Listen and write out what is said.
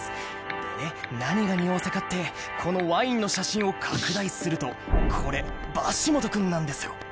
でね何が匂わせかってこのワインの写真を拡大するとこれバシモト君なんですよ。